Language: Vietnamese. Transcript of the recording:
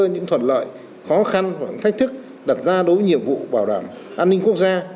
những thuận lợi khó khăn hoặc những thách thức đặt ra đối với nhiệm vụ bảo đảm an ninh quốc gia